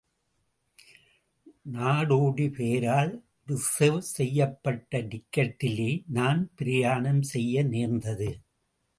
நாடோடி பெயரால் ரிசர்வ் செய்யப்பட்ட டிக்கட்டிலே நான் பிரயாணம் செய்ய நேர்ந்தது.